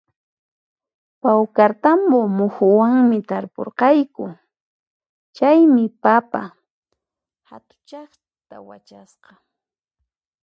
Pawkartambo muhuwanmi tarpurqayku, chaymi papa hatuchaqta wachasqa